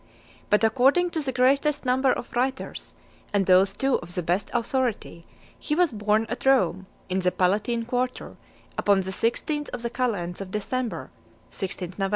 But according to the greatest number of writers, and those too of the best authority, he was born at Rome, in the Palatine quarter, upon the sixteenth of the calends of December [16th Nov.